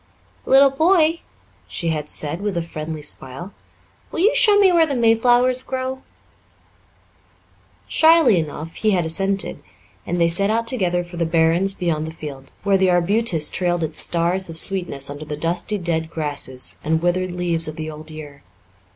"Little boy," she had said, with a friendly smile, "will you show me where the mayflowers grow?" Shyly enough he had assented, and they set out together for the barrens beyond the field, where the arbutus trailed its stars of sweetness under the dusty dead grasses and withered leaves of the old year.